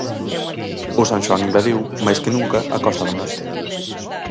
O San Xoán invadiu, máis que nunca, a Costa da Morte.